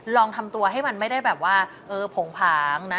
ลองทำตัวให้มันไม่ได้แบบว่าเออโผงผางนะ